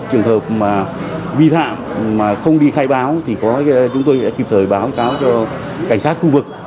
trường hợp mà vi phạm mà không đi khai báo thì chúng tôi sẽ kịp thời báo cáo cho cảnh sát khu vực